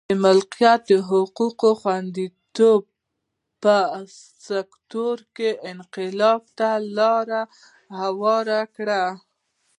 د مالکیت حقونو خوندیتوب په سکتور کې انقلاب ته لار هواره کړه.